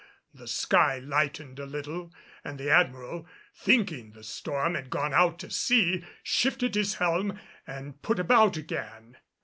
The sky lightened a little and the Admiral, thinking the storm had gone out to sea, shifted his helm and put about again.